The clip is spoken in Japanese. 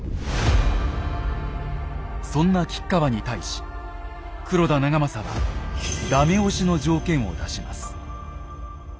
そんな吉川に対し黒田長政は駄目押しの条件を出します。